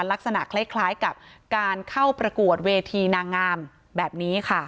ลักษณะคล้ายกับการเข้าประกวดเวทีนางงามแบบนี้ค่ะ